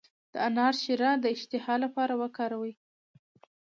د انار شیره د اشتها لپاره وکاروئ